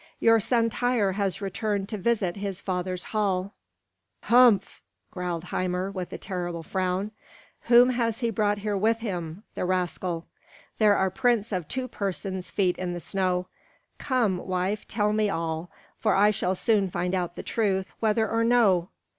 Your son Tŷr has returned to visit his father's hall." "Humph!" growled Hymir, with a terrible frown. "Whom has he brought here with him, the rascal? There are prints of two persons' feet in the snow. Come, wife, tell me all; for I shall soon find out the truth, whether or no."